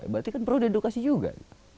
berarti kan perlu diedukasi juga